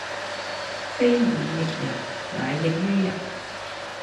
非以役人乃役於人